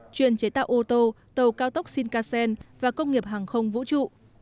chuyên chế tạo ô tô tàu cao tốc shinkan và công nghiệp hàng không vũ trụ